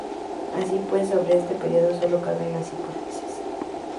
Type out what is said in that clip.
Así pues sobre este periodo sólo caben las hipótesis.